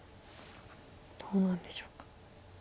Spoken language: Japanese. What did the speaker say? どうなんでしょうか。